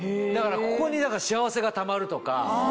ここに幸せがたまるとか。